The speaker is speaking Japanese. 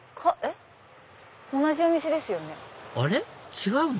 違うの？